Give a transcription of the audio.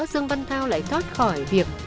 thương vân thao lại thoát khỏi việc